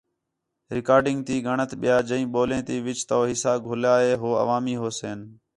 ریکارڈنگ تی ڳَݨَت ٻیا جئیں ٻولیں تی وِچ تَؤ حِصّہ گُھلّیا ہے ہو عوامی ہوسِن۔